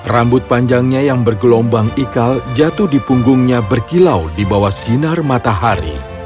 rambut panjangnya yang bergelombang ikal jatuh di punggungnya berkilau di bawah sinar matahari